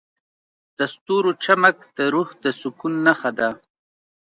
د ستورو چمک د روح د سکون نښه ده.